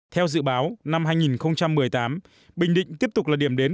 theo dự báo năm hai nghìn một mươi tám bình định tiếp tục là điểm đến